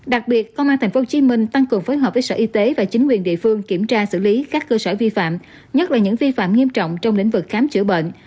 đặc biệt công an tp hcm tăng cường phối hợp với sở y tế và chính quyền địa phương kiểm tra xử lý các cơ sở vi phạm nhất là những vi phạm nghiêm trọng trong lĩnh vực khám chữa bệnh